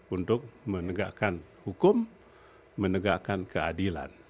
untuk menegakkan hukum menegakkan keadilan